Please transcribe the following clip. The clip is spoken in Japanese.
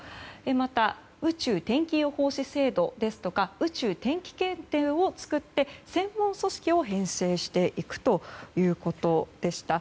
また、宇宙予報士制度ですとか宇宙天気検定を作って専門組織を編成していくということでした。